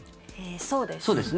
そうですね。